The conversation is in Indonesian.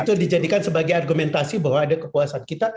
itu dijadikan sebagai argumentasi bahwa ada kepuasan kita